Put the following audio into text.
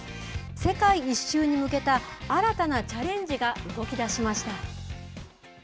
世界一周に向けた新たなチャレンジが動きだしました。